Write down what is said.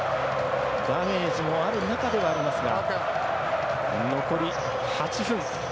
ダメージもある中ではありますが。